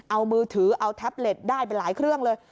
เอามือถือเอาแท็บเล็ตได้ไปหลายเครื่องเลย